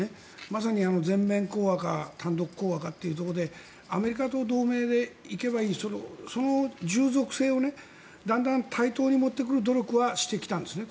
まさに全面講和か単独講和かというところでアメリカと同盟でいけば従属性をだんだん対等に持ってくる努力はしてきたんですね。